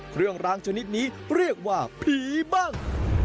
เครื่องร้างชนิดนี้เรียกว่าผีบ้าง